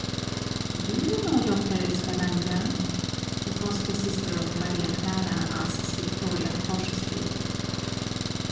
"Do you know Dr. Espadaña?" the foster sister of Maria Clara asks Victoria curiously.